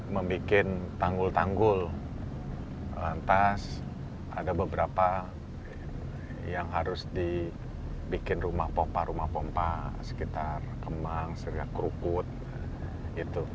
membuat tanggul tanggul lantas ada beberapa yang harus dibikin rumah pompa rumah pompa sekitar kemang sehingga krukut gitu